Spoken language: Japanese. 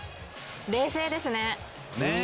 冷静ですね。ねぇ。